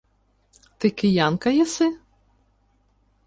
— Ти киянка єси?